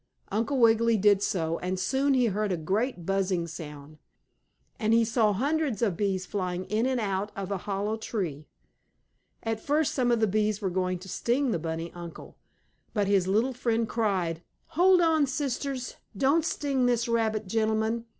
Uncle Wiggily did so, and soon he heard a great buzzing sound, and he saw hundreds of bees flying in and out of a hollow tree. At first some of the bees were going to sting the bunny uncle, but his little friend cried: "Hold on, sisters! Don't sting this rabbit gentleman.